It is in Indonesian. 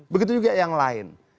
begitu juga yang lain